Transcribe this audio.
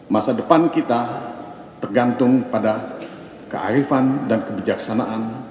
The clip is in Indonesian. masa depan kita tergantung pada kearifan dan kebijaksanaan